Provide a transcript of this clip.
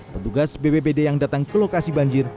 petugas bpbd yang datang ke lokasi banjir